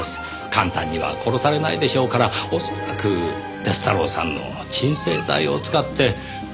簡単には殺されないでしょうから恐らく鐵太郎さんの鎮静剤を使って目的を果たした。